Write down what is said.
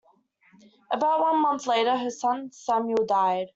About one month later, her son Samuel died.